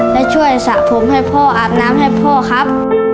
และช่วยสระผมให้พ่ออาบน้ำให้พ่อครับ